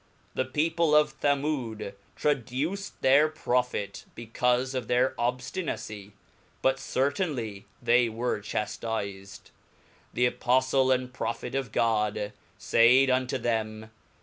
The people of Z'f/w^^ traduced their Prophet, becaufe of their obftinacy; but certainly they were chaftifed. The Apoftle and Prophet of God faid unto them.